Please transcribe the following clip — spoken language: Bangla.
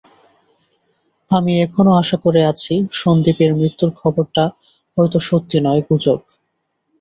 আমি এখনও আশা করে আছি, সন্দীপের মৃত্যুর খবরটা হয়তো সত্যি নয়, গুজব।